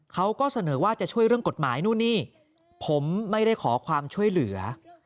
เขาก็เสนอว่าจะช่วยเรื่องกฎหมายนู่นนี่ผมไม่ได้ขอความช่วยเหลือ